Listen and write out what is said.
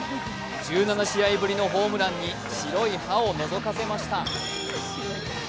１７試合ぶりのホームランに白い歯をのぞかせました。